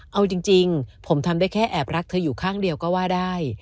เอาจริงผมทำได้แค่แอบรักเธออยู่ข้างเดียวก็ว่าได้